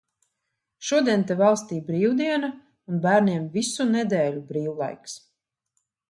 Šodien te valstī brīvdiena un bērniem visu nedēļu brīvlaiks.